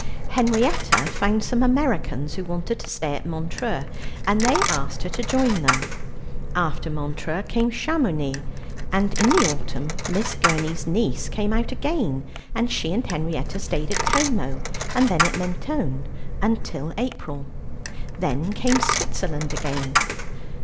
Henrietta found some Americans who wanted to stay at Montreux, and they asked her to join them. After Montreux came Chamounix, and in the autumn Miss Gurney's niece came out again, and she and Henrietta stayed at Como, and then at Mentone till April. Then came Switzerland again.